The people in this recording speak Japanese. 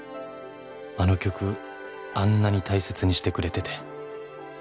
「あの曲あんなに大切にしてくれてて」